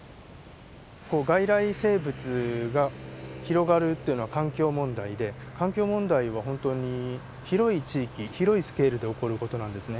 外来生物が広がるっていうのは環境問題で環境問題は本当に広い地域広いスケールで起こる事なんですね。